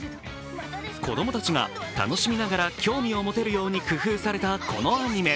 子供たちが楽しみながら興味を持てるように工夫されたこのアニメ。